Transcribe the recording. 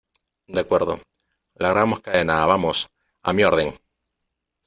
de acuerdo .¡ largamos cadena , vamos !¡ a mi orden !